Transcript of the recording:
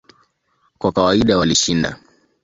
Kwa kawaida walishinda.